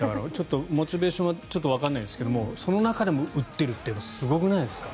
モチベーションはちょっとわからないですけどその中でも打ってるというのはすごくないですか。